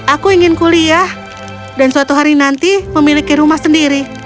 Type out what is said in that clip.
aku ingin kuliah dan suatu hari nanti memiliki rumah sendiri